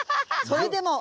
それでも。